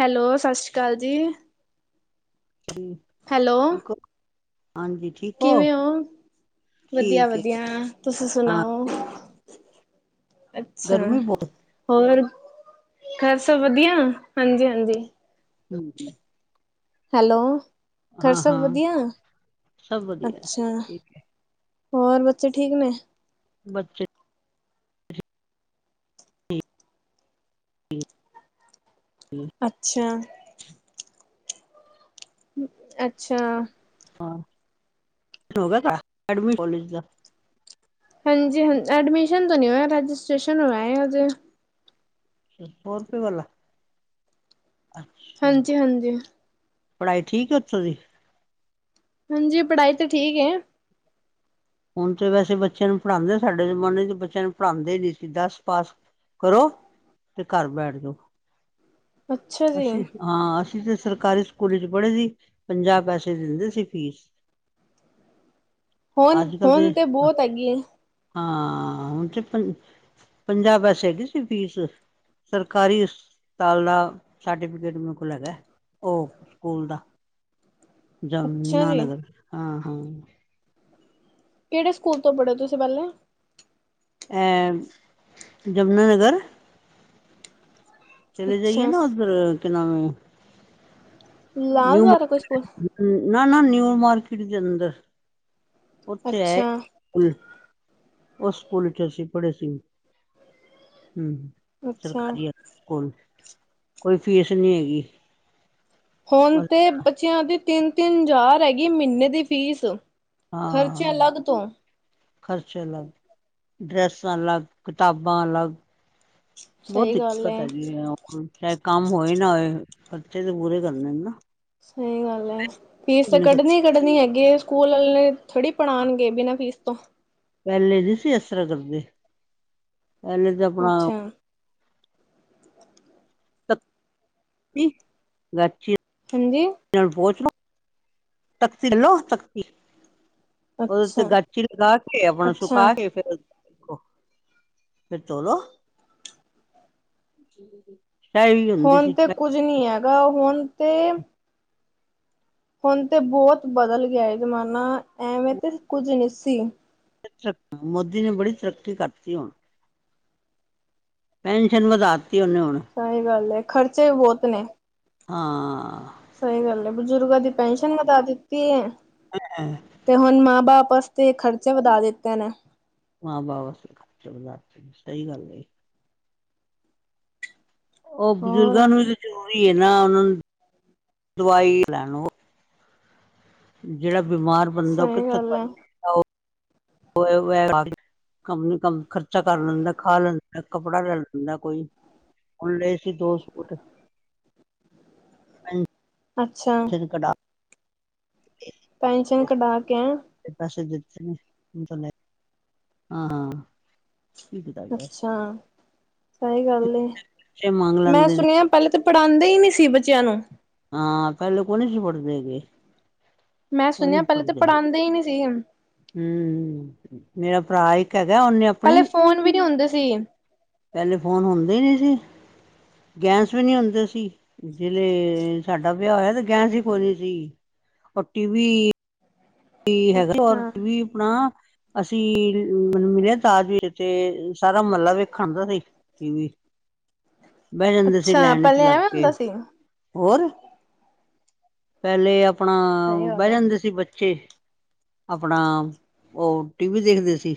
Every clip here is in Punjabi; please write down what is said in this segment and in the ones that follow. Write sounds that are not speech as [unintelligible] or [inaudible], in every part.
ਹੈਲੋ, ਸਤਿ ਸ਼੍ਰੀ ਅਕਾਲ ਜੀ। ਹੈਲੋ ਠੀਕ ਓ? ਹਾਂਜੀ। ਠੀਕ ਹੋ ਕਿਵੇਂ ਓ? ਠੀਕ ਹੈ ਵਧੀਆ-ਵਧੀਆ। ਤੁਸੀ ਹਾਂ ਸੁਣਾਓ? ਅੱਛਾ। ਗਰਮੀ ਬਹੁਤ ਹੋਰ, ਘਰ ਸਭ ਵਧੀਆ? ਹਾਂਜੀ-ਹਾਂਜੀ। ਹਾਂਜੀ। ਹੈਲੋ, ਖਰ ਹਾਂ ਸਭ ਹਾਂ ਵਧੀਆ, ਸਭ ਵਧੀਆ ਅੱਛਾ। ਠੀਕ ਹੈ ਹੋਰ, ਬੱਚੇ ਠੀਕ ਨੇ? ਬੱਚੇ ਹੂੰ। ਅੱਛਾ। ਅੱਛਾ। ਹਾਂ, ਹੋਗਿਆ ਕਾ--ਐਡਮਿ ਕੋਲੇਜ ਦਾ? ਹਾਂਜੀ, ਹਂ, ਐਡਮਿਸ਼ਨ ਤੋ ਨੀ ਹੋਇਆ, ਰਜਿਸਟ੍ਰੇਸ਼ਨ ਹੋਇਆ ਹਜੇ। ਸੋ ਰੁਪਏ ਵਾਲਾ? ਅੱਛਾ। ਹਾਂਜੀ ਹਾਂਜੀ ਪੜ੍ਹਾਈ ਠੀਕ ਏ, ਓਥੋ‌ ਦੀ? ਹਾਂਜੀ, ਪੜ੍ਹਾਈ ਤੇ ਠੀਕ ਏ। ਹੁਣ ਤੇ ਵੈਸੇ ਬੱਚੇਆਂ ਨੂੰ ਪੜ੍ਹਾਂਦੇ, ਸਾਡੇ ਜ਼ਮਾਨੇ'ਚ ਬੱਚੇਆਂ ਨੂੰ ਪੜ੍ਹਾਂਦੇ ਨੀ ਸੀ, ਦਸ ਪਾਸ ਕਰੋ, ਤੇ ਘਰ ਬੈਠਜੋ। ਅੱਛਾ ਜੀ ਅਸੀ, ਹਾਂ, ਅਸੀ ਤੇ ਸਰਕਾਰੀ ਸਕੂਲ'ਚ ਪੜ੍ਹੇ ਸੀ, ਪੰਜਾਹ ਪੈਸੇ ਦਿੰਦੇ ਸੀ ਫੀਸ। ਹੋਨ, ਅੱਜ ਕੱਲ ਦੇ ਹੋਨ ਤੇ ਬੋਤ ਹੈਗੀ ਏ। ਹਾਂ, ਹੁਣ ਤੇ ਪੰ ਪੰਜਾਹ ਪੈਸੇ ਹੈਗੀ ਸੀ ਫੀਸ, ਸਰਕਾਰੀ ਹਸਪਤਾਲ ਦਾ ਸਰਟੀਫਿਕੇਟ ਮੇਰ ਕੋਲ ਹੈਗਾ, ਓ ਸਕੂਲ ਦਾ। ਅੱਛਾ ਜੀ ਜਮੁਨਾਨਗਰ, ਹਾਂ-ਹਾਂ। ਕੇੜੇ ਸਕੂਲ ਤੋਂ ਪੜ੍ਹੇ ਓ, ਤੁਸੀ ਪਹਿਲਾ? ਐ, ਜਮਨਾਨਗਰ। ਚਲੇ ਜਾਈਏ ਅੱਛਾ ਨਾ ਓਧਰ, ਕਿ ਨਾਮ ਏ ਲਾਲ ਦੁਆਰਾ, ਕੋਈ ਸਕੂਲ। ਨਾ-ਨਾ, ਨਿਊ ਮਾਰਕੀਟ ਜਲੰਧਰ, ਔਥੇ ਹੈ ਅੱਛਾ ਕੁਲ ਓ ਸਕੂਲ 'ਚ ਅਸੀ ਪੜ੍ਹੇ ਸੀ, ਹੁਂ, ਅੱਛਾ ਸਰਕਾਰੀ ਹੈ। ਗੌਰਮਿੰਟ, ਕੋਈ ਫੀਸ ਨੀ ਹੈਗੀ। ਹੋਣ ਬਸ ਤੇ ਬੱਚੇਆਂ ਦੀ ਤਿੰਨ, ਤਿੰਨ ਜ਼ਾਰ ਹੈਗੀ ਮਹੀਨੇ ਦੀ ਫੀਸ। ਖਰਚੇ ਹਾਂ ਅਲੱਗ ਤੋਂ ਖ਼ਰਚਾ ਲੱਗ, ਡਰੈਸਾਂ ਲੱਗ, ਕਿਤਾਬਾਂ ਅਲੱਗ। ਬੋ ਸਹੀ ਗੱਲ ਦਿੱਕਤ ਹੈ ਹੈਗੀ ਏ, ਅ ਚਾਹੇ ਕੰਮ ਹੋਏ ਨਾ ਹੋਏ, ਖਰਚੇ ਤੇ ਪੂਰੇ ਕਰਨੇ ਨਾ। ਸਹੀ ਗੱਲ ਐ, ਫੀਸ ਤੇ ਇੰਨੇ ਖਰਚੇ ਕੱਢਣੀ ਕੱਢਣੀ ਹੈਗੀ ਏ, ਸਕੂਲ ਵਾਲੇ ਥੋੜ੍ਹੀ ਪੜ੍ਹਾਣਗੇ ਬਿਨਾਂ ਫੀਸ ਤੋਂ। ਪਹਿਲੇ ਨੀ ਸੀ ਐਸਰਾ ਕਰਦੇ, ਪਹਿਲੇ ਤੇ ਅਪਣਾ ਅੱਛਾ ਪੀ, ਗਾਚੀ ਹਂਜੀ? ਏਨਾਂ ਨੂੰ ਪੋਚਣਾ ਤਖਤੀ ਲੋ ਤਖਤੀ, ਔਦੇ ਤੇ ਅੱਛਾ ਗਾਚੀ ਲਗਾ ਕੇ ਅਪਣਾ ਅੱਛਾ ਸੁਕਾ ਕੇ ਫੇਰ ਖੋ, ਫੇਰ ਧੋਲੋ। ਚਾਹ ਵੀ ਹੁੰਦੀ ਹੋਣ ਸੀ ਤੇ ਕੁੱਝ ਨੀ ਹੈਗਾ, ਹੋਣ ਤੇ ਹੁਣ ਤੇ ਬੋਤ ਬਦਲ ਗਿਆ ਐ ਜ਼ਮਾਨਾ, ਐਵੇਂ ਤੇ ਕੁੱਝ ਨੀ ਸੀ। ਮੋਦੀ ਨੇ ਬੜੀ ਤਰੱਕੀ ਕਰਤੀ ਹੁਣ ਪੈਨਸ਼ਨ ਵਧਾਤੀ, ਉਹਨੇ ਹੁਣ ਸਹੀ ਗੱਲ ਏ, ਖਰਚੇ ਬਹੁਤ ਨੇ। ਹਾਂ। ਸਹੀ ਗੱਲ ਹੈ, ਬਜ਼ੁਰਗਾਂ ਦੀ ਪੈਨਸ਼ਨ ਵਧ ਦਿੱਤੀ ਹੈ। ਹਾਂ ਹ ਤੇ ਹੁਣ ਮਾਂ ਬਾਪ ਵਾਸਤੇ, ਖ਼ਰਚੇ ਵਧਾ ਦਿੱਤੇ ਨੇ। ਮਾ ਬਾਪ ਵਾਸਤੇ ਖਰਚਾ ਵਧਾ ਦਿੱਤਾ, ਸਹੀ ਗੱਲ ਹੈ। ਉਹ ਹੋਰ ਬਜ਼ੁਰਗਾਂ ਨੂੰ ਵੀ ਤਾਂ ਜ਼ਰੂਰੀ ਹੈ ਨਾ, ਉਹਨਾਂ ਨੂੰ ਦਵਾਈ ਲੈਣ ਜਿਹੜਾ ਬਿਮਾਰ ਬੰਦਾ, ਉਹ ਸਹੀ ਕਿੱਥੇ ਗੱਲ ਹੈ ਕੰਮ ਨੀ ਕੰਮ, ਖਰਚਾ ਕਰ ਲੈਂਦਾ, ਖਾ ਲੈਂਦਾ, ਕੱਪੜਾ ਲੈ ਲੈਂਦਾ ਕੋਈ ਹੁਣ ਲਏ ਸੀ ਦੋ ਸੂਟ ਪੈਨਸ਼ਨ ਅੱਛਾ। ਕਢਾ ਪੈਨਸ਼ਨ ਕਢਾ ਕੇ ਆ ਪਾਸੇ ਜੇੂੰ ਤਾਂ ਲੈ ਹਾਂ। ਕੀ ਕੀਤਾ ਜਾਏ ਅੱਛਾ, ਸਹੀ ਗੱਲ, ਪੈਸੇ ਮੰਗ ਮੈਂ ਲੈਂਦੇ ਨੇ ਸੁਣਿਆ ਪਹਿਲੇ ਤਾਂ ਪੜ੍ਹਾਉਂਦੇ ਹੀ ਨੀ ਸੀ, ਬੱਚਿਆਂ ਨੂੰ ਹਾਂ ਪਹਿਲੇ ਕੋਨ ਸੀ ਪੜਦੇ ਗ। ਮੈਂ ਸੁਣਿਆ, ਪਹਿਲਲੇ ਤਾਂ ਪੜ੍ਹਾਂਦੇ ਹੀ ਨਹੀਂ ਸੀ। ਹਮ, ਮੇਰਾ ਭਰਾ ਇੱਕ ਹੈਗਾ ਉਹਨੇ ਪਹਿਲੇ, ਆਪਣੀ ਫੋਨ ਵੀ ਨਹੀਂ ਹੁੰਦੇ ਸੀ। ਪਹਿਲੇ ਫੋਨ ਹੁੰਦੇ ਹੀ ਨਹੀਂ ਸੀ, ਗੈਸ ਵੀ ਨਹੀਂ ਹੁੰਦੇ ਸੀ। ਜਿਲੇ ਸਾਡਾ ਵਿਆਹ ਹੋਇਆ ਤੇ, ਗੈਸ ਸੀ ਕੋਈ ਨੀ ਸੀ, ਟੀ ਵੀ ਹੈਗਾਰ ਅੱਛਾ ਵੀ ਆਪਣਾ ਅਸੀਂ ਮਿਲਿਆ ਦਾਜ ਵਿਚ, ਤੇ ਸਾਰਾ ਮਹਲਾ ਵੇਖਣ ਦਾ ਸੀ। ਟੀ ਵੀ ਅੱਛਾ ਚ ਪਹਿਲਾ ਲੱਗ ਐਵੇਂ ਕੇ ਹੁੰਦਾ ਸੀ ਹੋਰ ਪਹਿਲੇ ਆਪਣਾ ਸਹੀ ਗੱਲ ਬਹਿ ਹੈ ਜਾਂਦੇ ਸੀ ਬੱਚੇ ਆਪਣਾ ਉਹ ਟੀ ਵੀ ਦੇਖਦੇ ਸੀ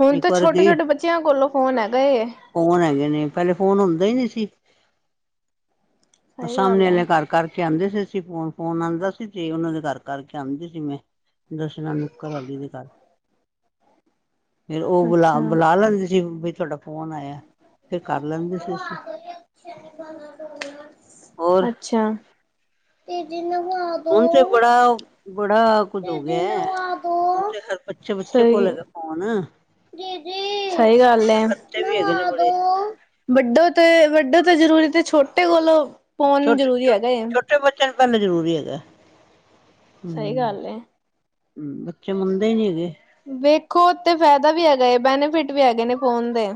ਹੁਣ ਤਾਂ ਇੱਕ ਵਾਰ ਛੋਟੇ ਗਈ ਛੋਟੇ ਬੱਚਿਆਂ ਕੋਲੋਂ ਫੋਨ ਹੈਗਾ ਏ ਫੋਨ ਹੈਗੇ ਨੇ ਪਹਿਲੇ ਫੋਨ ਹੁੰਦਾ ਹੀ ਨਹੀਂ ਸੀ ਸਹੀ ਸਾਹਮਣੇ ਗੱਲ ਹੈ ਵਾਲਿਆਂ ਘਰ ਕਰਕੇ ਆਉਂਦੇ ਸੀ ਅਸੀ ਫੋਨ ਫੋਨ ਆਉਂਦਾ ਸੀ ਤੇ ਉਹਨਾਂ ਦੇ ਘਰ ਕਰਕੇ ਆਉਂਦੀ ਸੀ ਮੈਂ ਦੱਸਣਾ ਮੁਕਤਾ ਭਾਬੀ ਦੇ ਘਰ ਫੇਰ ਉਹ ਬੁਲਾ ਅੱਛਾ ਬੁਲਾ ਲੈਂਦੇ ਸੀ ਬਈ ਤੁਹਾਡਾ ਫੋਨ ਆਇਆ ਫੇਰ ਕਰ ਲੈਂਦੇ ਸੀ ਅਸੀਂ ਹੋਰ ਅੱਛਾ ਤੇ ਜਿਨੂੰ ਹੁਣ ਤੇੇ ਬੜਾ ਬੜਾ ਕੁਝ ਹੋ ਦੀਦੀ ਗਿਆ ਹੈ ਨਵਾ ਦੋ। ਹੁਣ ਤੇ ਹਰ ਬੱਚੇ ਬੱਚੇ ਸਹੀ, ਕੋਲ ਹੈਗਾ ਫੋਨ ਦੀਦੀ ਸਹੀ ਗੱਲ ਏ ਖਰਚੇ ਵੀ ਹੈਗੇ ਨੇ ਨਵਾ ਦੋ ਬੜੇ ਵੱਡੋ ਤੇ ਵੱਡੋ ਤਾਂ ਜ਼ਰੂਰੀ ਤੇ ਛੋਟੇ ਕੋਲੋਂ ਫੋਨ ਜ਼ਰੂਰੀ ਹੈਗਾ ਚਲ ਪਹਿਲੇ ਜ਼ਰੂਰੀ ਹੈਗਾ ਸਹੀ ਹਮ ਗੱਲ ਏ। ਹਮ ਬੱਚੇ ਮਨਦੇ ਨੀ ਹੈਗੇ ਵੇਖੋ ਤੇ ਫਾਇਦਾ ਵੀ ਹੈਗਾ ਹੈ ਏ ਬੈਨੀਫਿਟ ਵੀ ਹੈਗੇ ਨੇ ਫੋਨ ਦੇ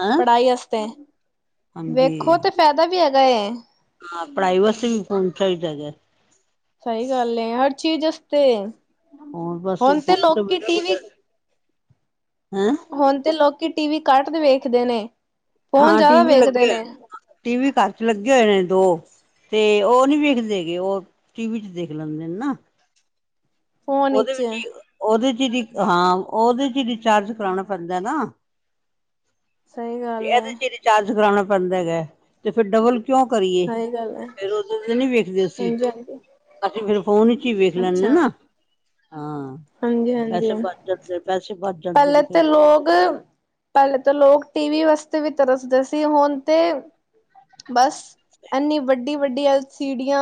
ਹੈਂ ਪੜ੍ਹਾਈ ਵਾਸਤੇ ਹਾਂਜੀ ਵੇਖੋ ਤੇ ਫਾਇਦਾ ਵੀ ਹੈਗਾ ਏ ਹਾਂ ਪੜਾਈ ਵਾਸਤੇ ਵੀ ਫੋਨ ਚਾਹੀਦਾ ਏ ਸਹੀ ਗੱਲ ਏ ਹਰ ਚੀਜ਼ ਆਸਤੇ ਹੋਰ ਬਸ ਹੁਣ ਤੇ ਫੋਨ ਤੋਂ ਲੋਕੀ ਬਿਨਾਂ ਟੀ ਕੁਝ ਵੀ ਹੈਂ ਹੁਣ ਤੇ ਲੋਕੀ ਟੀ ਵੀ ਘੱਟ ਵੇਖਦੇ ਨੇ ਫੋਨ ਹਾਂ ਟੀ ਜ਼ਿਆਦਾ ਵੀ ਵੇਖਦੇ ਲੱਗੇ ਨੇ ਟੀ ਵੀ ਘਰ ਚ ਲੱਗੇ ਹੋਏ ਨੇ ਦੋ ਤੇ ਉਹ ਨੀ ਵੇਖਦੇ ਗ ਉਹ ਟੀ ਵੀ ਚ ਦੇਖ ਲੈਂਦੇ ਨੇ ਨਾ ਫੋਨ ਓਦੇ ਵਿਚ ਵਿੱਚ ਈ ਓਦੇ ਚ ਈ ਹਾਂ, ਓਦੇ ਚ ਈ ਰਿਚਾਰਜ ਕਰਾਓਣਾ ਪੈਂਦਾ ਨਾ ਸਹੀ ਤੇ ਗੱਲ ਹੈ ਐਦੇ ਚ ਰਿਚਾਰਜ ਕਰਾਣਾ ਪੈਂਦਾ ਹੈਗਾ, ਤੇ ਫੇਰ ਡਬਲ ਕਿਉ ਕਰੀਏ, ਸਹੀ ਗੱਲ ਹੈ ਤੇ ਫੇਰ ਓਦੋ ਤੇ ਨੀ ਵੇਖਦੇ ਅਸੀ ਹਾਂਜੀ ਹਾਂਜੀ ਅਸੀ ਫੇਰ ਫੋਨ ਇਚ ਹੀ ਵੇਖ ਲੈਨੇ ਅੱਛਾ ਨਾ, ਹਾਂ ਹਾਂਜੀ, ਹਾਂਜੀ ਪੈਸੇ ਆਂ ਬਚ ਜਾਂਦੇ ਪੈਸੇ ਬਚ ਜਾਂਦੇ ਪੈਲੇ ਨੇ ਫਿਰ ਤੇ ਲੋਗ ਪੈਲੇ ਤੇ ਲੋਗ ਟੀ ਵੀ ਵਾਸਤੇ ਵੀ ਤਰਸਦੇ ਸੀ ਹੋਨ ਤੇ ਬਸ ਐਨੀ ਵੱਡੀ, ਵੱਡੀ ਐਲਸੀਡੀਆਂ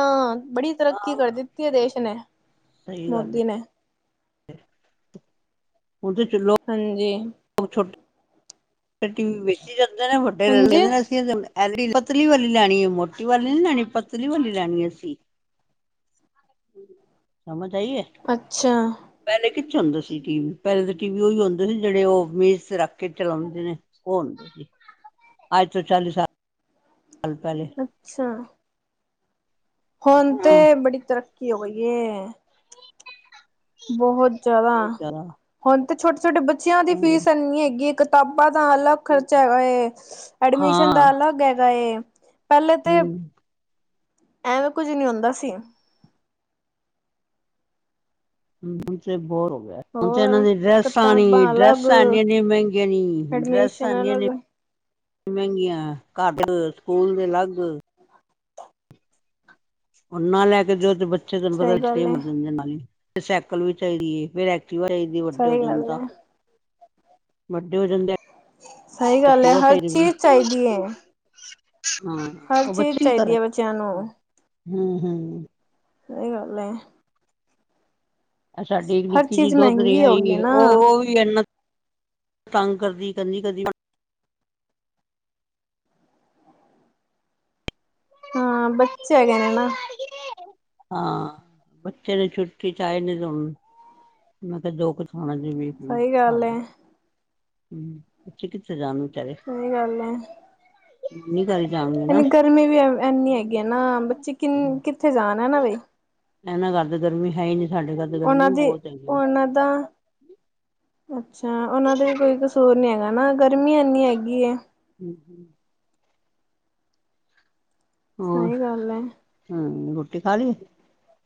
ਬੜੀ ਤਰੱਕੀ ਹਾਂ ਕਰ ਦਿੱਤੀ ਏ ਦੇਸ਼ ਨੇ, ਮੋਦੀ ਨੇ ਓਦੇ ਚ ਹਾਂਜੀ। [unintelligible] [unintelligible] ਪਤਲੀ ਹਾਂਜੀ ਵਾਲੀ ਲੈਣੀ ਏ, ਮੋੱਟੀ ਵਾਲੀ ਨੀ ਲੈਣੀ, ਪਤਲੀ ਵਾਲੀ ਲੈਣੀ ਅਸੀ ਸਮਝ ਆਈ ਏ ਅੱਛਾ। ਪਹਿਲੇ ਕਿੱਥੇ ਹੁੰਦੇ ਸੀ ਟੀ ਵੀ ਪੈਲੇ ਤੇ ਟੀ ਵੀ ਓਈਉ ਹੋਂਦੇ ਸੀ ਜਿਹੜੇ ਉਹ ਮੇਜ ਤੇ ਰੱਖ ਕੇ ਚਲਾਉਂਦੇ ਨੇ ਉਹ ਅੱਜ ਤੋ ਚਾਲੀ ਸਾਲ ਸਾਲ ਪਹਿਲੇ ਅੱਛਾ। ਹੋਨ ਹਾਂ ਤੇ ਬੜੀ ਤਰੱਕੀ ਹੋ ਗਈ ਏ ਬੋਹਤ ਜਾਦਾ, ਬਹੁਤ ਜ਼ਿਆਦਾ ਹੋਨ ਤੇ ਛੋਟੇ ਛੋਟੇ ਬੱਚੇਆਂ ਦੀ ਹਮ ਫੀਸ ਐਨੀ ਹੈਗੀ ਏ ਕ ਕਿਤਾਬਾਂ ਦਾ ਅਲੱਗ ਖਰਚਾ ਹੈਗਾ ਏ, ਐਡਮਿਸ਼ਨ ਹਾਂ ਦਾ ਅਲੱਗ ਹੈਗਾ ਏ ਪੈਲੇ ਤੇ, ਹਮ ਐਂਵੇਂ ਕੁੱਝ ਨੀ ਹੁੰਦਾ ਸੀ [unintelligible] ਬੋਰ ਹੋ ਗਏ- ਹੁਣ ਤੇ ਇਨਾ ਹੋਰ ਦੀ ਡਰੈਸਾਂ ਨੀ, ਕਿਤਾਬਾਂ ਅਲੱਗ ਡਰੈਸਾਂ ਐਨੀ ਇਨੇ ਮੈਂਗੀਆਂ ਨੀ, ਡਰੈੱਸਾਂ ਐਡਮਿਸ਼ਨ ਐਨੀ ਅਲੱਗ ਐਨੀ ਮੈਂਗੀਆਂ ਘਰ ਸਕੂਲ ਦੇ ਲੱਗ [inaudible] ਹੁਨ ਨਾ ਲੈ ਕੇ ਦਿਓ ਤੇ ਬੱਚੇ ਤੈਨੂੰ ਪਤੈ ਸਹੀ ਗੱਲ ਏ, [unintelligible] ਨਾਲ ਈ। ਸੈਕਲ ਵੀ ਚਾਈਦੀ ਏ, ਫੇਰ ਐਕਟਿਵਾ ਚਾਈਦੀ ਏ ਵੱਡੇ ਸਹੀ ਹੋਜਾਨ ਗੱਲ ਤਾਂ ਏ। ਵੱਡੇ ਹੋ ਜਾਨਦੇ ਐ ਸਈ ਗਾੱਲ ਐ, ਹਰ ਚੀਜ਼ ਚਾਈਦੀ ਏ ਹਾਂ, ਹਰ ਓ ਚੀਜ਼ ਬੱਚੇ ਕਿ ਚਾਹੀਦੀ ਕਰਨ, ਏ ਬੱਚਿਆਂ ਨੂੰ ਹੂੰ-ਹੂੰ ਸਈ ਗੱਲ ਏ ਐ ਸਾਡੀ ਇੱਕ ਹਰ ਨਿੱਕੀ ਜੀ ਚੀਜ਼ ਦੋਤਰੀ ਮਹਿੰਗੀ ਹੋ ਆਈ ਗਈ ਹੋਈ, ਨਾ ਓ ਓਵੀ ਏਨਾ ਤਾੰਗ ਕਰਦੀ, ਕਦੀ-ਕਦੀ ਹਾਂ, ਬੱਚੇ ਹੈਗੇ ਨੇ ਨਾ ਹਾਂ, ਬੱਚੇ ਨੇ ਛੁੱਟੀ ਚਾਏ [unintelligible] ਹੁੰ ਸਹੀ ਖਾ ਗੱਲ ਲੋ, ਏ, ਹੁੰ ਬੱਚੇ ਕਿੱਥੇ ਜਾਨ ਵਿਚਾਰੇ ਸਈ ਗਾੱਲ ਐ। ਨਾਨੀ ਘਰੇ ਜਾਨ। ਐਨੀ ਗਰਮੀ ਵੀ ਐਵ ਐਨੀ ਹੈਗੀ ਐ ਨਾ, ਬੱਚੇ ਕਿਨ ਕਿੱਥੇ ਜਾਨ ਹੈਨਾ ਬਈ ਐਨਾ ਘਾੱਰ ਤੇ ਗਰਮੀ ਹੈ ਈ ਨੀ ਸਾਡੇ ਘਾੱਰ ਓਨਾਂ ਦੀ, ਓਨਾਂ ਦਾ ਅੱਛਾ, ਓਨਾਂ ਦੇ ਵੀ ਕੋਈ ਕਸੂਰ ਨੀ ਹੈਗਾ ਨਾ, ਗਰਮੀ ਐਨੀ ਹੈਗੀ ਏ। ਹੂੰ ਹੂੰ। ਹੋਰ, ਸਹੀ ਗੱਲ ਹੈ ਹੂੰ ਰੋਟੀ ਖਾਲੀ ਏ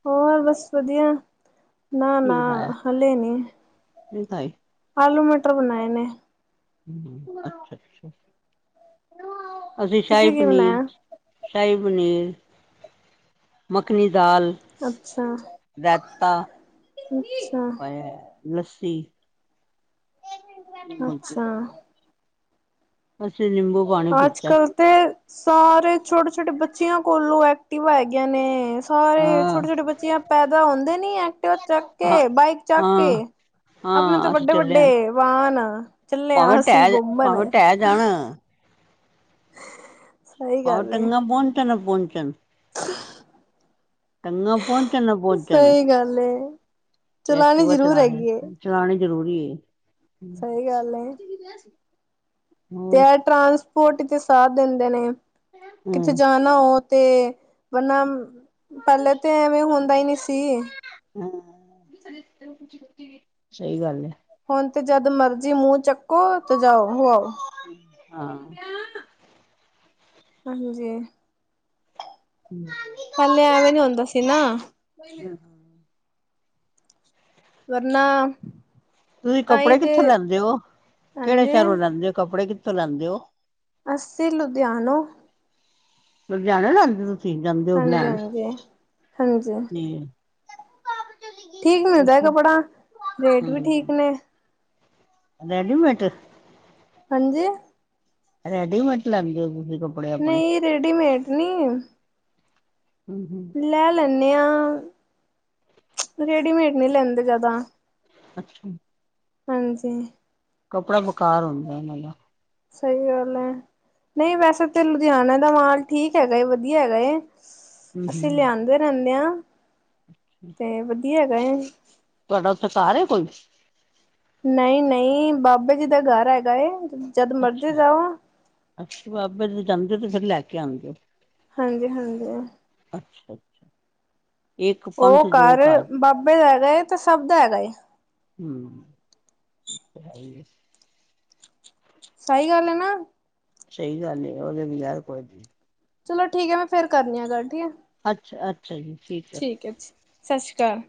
ਹੋਰ ਬਸ ਵਦੀਆ, ਕੀ ਨਾ-ਨਾ ਬਣਾਇਆ ਹਲੇ ਨੀ ਨਹੀਂ ਖਾਈ ਆਲੂ ਮਟਰ ਬਨਾਏ ਨੇ ਅੱਛਾ-ਅੱਛਾ ਅਸੀ ਸ਼ਾਈ ਤੁਸੀਂ ਕੀ ਪਨੀਰ ਬਣਾਇਆ ਸ਼ਾਈ ਪਨੀਰ, ਮੱਖਣੀ ਦਾਲ ਅੱਛਾ ਰੈਤਾ, ਅੱਛਾ ਪਾਯਾ ਲੱਸੀ ਅੱਛਾ [unintelligible] ਅੱਸੀਂ ਨਿੰਬੂ ਪਾਣੀ ਪੀਤਾ ਆੱਜ-ਕੱਲ ਤੇ ਸਾਰੇ ਛੋਟੇ-ਛੋਟੇ ਬੱਚਿਆਂ ਕੋਲੋ ਐਕਟਿਵਾ ਹੈਗੀਆਂ ਨੇ। ਸਾਰੇ ਹਾਂ, ਛੋਟੇ-ਛੋਟੇ ਬੱਚੇਆ, ਪੈਂਦਾ ਹੁੰਦੇ ਨੀ ਐਕਟਿਵਾ ਤੱਕ ਹਾਂ, ਕੇ, ਬਾਈਕ ਚੱਕ ਹਾਂ। ਕੇ। ਅਪਣੇ ਤੇ ਹਾਂ ਅਸੀਂ ਚੱਲਿਆ ਵੱਡੇ-ਵੱਡੇ ਵਾਹਨ ਚੱਲੇ ਭਾਵੇਂ ਆਂ ਅਸੀਂ ਢਹਿ ਘੁੰਮਣ। ਭਾਵੇਂ ਢਹਿ ਜਾਣ ਸਹੀ ਭਾਵੇਂ ਗੱਲ ਏ ਟੰਗਾਂ ਪਹੁੰਚਣ ਨਾ ਪਹੁੰਚਣ ਟੰਗਾਂ ਪਹੁੰਚਣ ਨਾਂ ਪਹੁੰਚਣ। ਲੇ ਚਲਾਨੀ ਜ਼ਰੂਰ ਹੈਗੀ ਏ। ਚਲਾਨੀ ਜ਼ਰੂਰੀ ਏ। ਸਹੀ ਗੱਲ ਏ ਤੇ ਹੋਰ ਐ ਟਰਾਂਸਪੋਰਟ ਕੇ ਸਾਥ ਦਿੰਦੇ ਨੇ ਕਿਥੇ ਹੂੰ, ਜਾ ਨਾ ਓ ਤੇ ਮਤਲੱਬ ਪੈਲੇ ਤੇ ਐਵੇਂ ਹੁੰਦਾ ਈ ਨੀ ਸੀ। ਹੂੰ ਸਈ ਗੱਲ ਏ। ਹੁਣ ਤੇ ਜਦ ਮਰਜ਼ੀ ਮੂੰ ਚੱਕੋ ਤੇ ਜਾਓ ਹੋ ਆਓ। ਹਾਂ। ਹਾਂਜੀ। ਹੂੰ। ਪੈਲੇ ਐਵੇਂ ਨੀ ਹੁੰਦਾ ਸੀ ਨਾ। [inaudible] ਵਰਨਾਂ ਤੁਸੀਂ ਕੱਪੜੇ ਕਿੱਥੋਂ ਲੈਂਦੇ ਹੋ, ਕਿਹੜੇ ਹਾਂਜੀ ਸ਼ਹਿਰੋਂ ਲੈਂਦੇ ਹੋ, ਕੱਪੜੇ ਕਿੱਥੋਂ ਲੈਂਦੇ ਹੋ? ਅਸੀਂ ਲੁਧਿਆਨੋ। ਲੁਜਿਆਣੇ ਲੈਦੇ ਔ, ਤੁਸੀਂ ਜਾਂਦੇ ਹੋ ਲੈਣ ਹਾਂਜੀ-ਹਾਂਜੀ, ਹਾਂਜੀ ਹਾਂਜੀ ਤੇ ਠੀਕ ਮਿਲਦਾ ਹੈ ਅਸੀਂ ਕੱਪੜਾ, ਰੇਟ ਵੀ ਠੀਕ ਨੇ। ਰੈਡੀਮੇਟ। ਹਾਂਜੀ। ਰੈਡੀਮੇਟ ਲੇਂਦੇ ਹੋ ਤੁਸੀਂ ਕਪ ਨਹੀਂ ਰੇਡੀਮੇਟ ਨੀ। ਹੂੰ -ਹੂੰ। ਲੈ ਲੈਂਨੇ ਆ, ਰੇਡੀਮੇਟ ਨਹੀਂ ਲੈਂਦੇ ਜ਼ਿਆਦਾ। ਅੱਛਾ। ਹਾਂਜੀ। ਕੱਪੜਾ ਬੇਕਾਰ ਹੁੰਦਾ ਉਹਨਾਂ ਦਾ। ਸਹੀ ਗੱਲ ਹੈ, ਨਹੀਂ ਵੈਸੇ ਤੇ ਲੁਧਿਆਣੇ ਦਾ ਮਾਲ ਠੀਕ ਹੈਗਾ ਏ, ਵਧੀਆ ਹੈਗਾ ਹੈ। ਹੂੰ ਅਸੀਂ ਹੂੰ ਲਿਆਂਦੇ ਰਹਿੰਨੇ ਆ, ਤੇ ਵਧੀਆ ਹੈਗਾ। ਤੁਹਾਡਾ ਉਥੇ ਘਰ ਏ ਕੋਈ? ਨਹੀਂ-ਨਹੀਂ, ਬਾਬੇ ਜੀ ਦਾ ਘਰ ਹੈਗਾ ਏ। ਜਦ ਮਰਜ਼ੀ ਜਾਓ ਅੱਛਾ-ਅੱਛਾ, ਬਾਬੇ ਦੇ ਜਾਂਦੇ ਹੋ ਤੇ ਫਿਰ ਲੈ ਕੇ ਆਉਂਦੇ ਹੋ। ਹਾਂਜੀ-ਹਾਂਜੀ। ਅੱਛਾ-ਅੱਛਾ। ਉਹ ਘਰ ਬਾਬੇ ਦਾ ਹੈਗਾ ਏ, ਤੇ ਸਭ ਦਾ ਹੈਗਾ ਏ। ਹੂੰ, ੳ ਤੇ ਹੈ ਹੀ ਏ। ਸਹੀ ਗੱਲ ਹੈਨਾ। ਸਹੀ ਗੱਲ ਏ ਉਹਦੇ ਬਿਗੇਰ ਕੋਈ ਨਹੀਂ। ਚਲੋ ਠੀਕ ਹੈ, ਮੈਂ ਫਿਰ ਕਰਨੀ ਆ ਗੱਲ ਠੀਕ ਹੈ। ਅੱਛਾ-ਅੱਛਾ ਜੀ, ਠੀਕ ਹੈ। ਠੀਕ [unintelligible] ਸਤਿ ਸ਼੍ਰੀ ਅਕਾਲ।